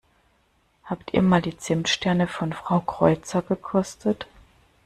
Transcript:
Habt ihr mal die Zimtsterne von Frau Kreuzer gekostet?